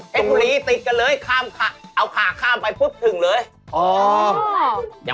เกษตรฟุรีติดกันเลยข้ามขาเอาขาข้ามไปปุ๊บถึงเลย